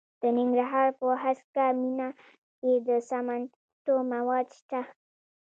د ننګرهار په هسکه مینه کې د سمنټو مواد شته.